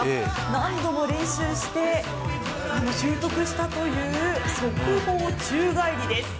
何度も練習して習得したという側方宙返りです。